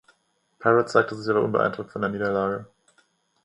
Parrott zeigte sich aber unbeeindruckt von der Niederlage.